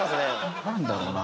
何だろうな？